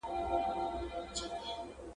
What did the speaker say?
ماشومانو ته باید د زدهکړي زمینه برابره سي.